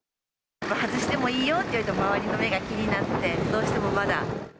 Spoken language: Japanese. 外してもいいよっていわれても、周りの目が気になって、どうしてもまだ。